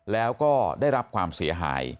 แล้วก็ได้รับความเสียหาย